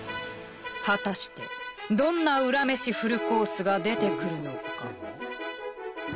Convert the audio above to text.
果たしてどんなウラ飯フルコースが出てくるのか？